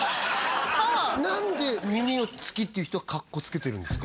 何で耳を好きって言う人はかっこつけてるんですか？